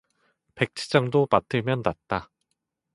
백지장도 맞들면 낮다